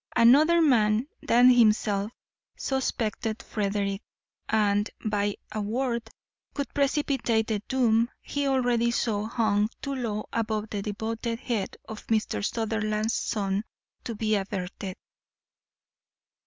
Another man than himself suspected Frederick, and by a word could precipitate the doom he already saw hung too low above the devoted head of Mr. Sutherland's son to be averted.